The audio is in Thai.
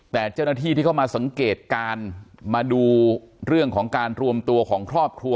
แต่เจ้าหน้าที่ที่เข้ามาสังเกตการณ์มาดูเรื่องของการรวมตัวของครอบครัว